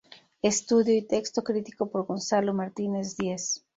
Estudio y texto crítico por Gonzalo Martínez Díez.